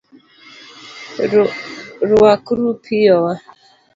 Rwakru piyo wa